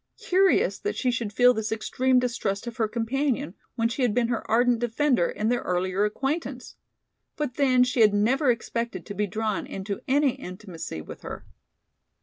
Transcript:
Curious that she should feel this extreme distrust of her companion, when she had been her ardent defender in their earlier acquaintance! But then she had never expected to be drawn into any intimacy with her.